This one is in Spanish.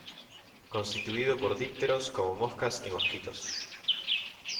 Constituido por dípteros como moscas y mosquitos.